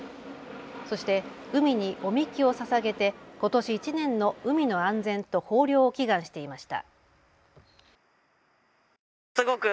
そして海にお神酒をささげてことし１年の海の安全と豊漁を祈願していました。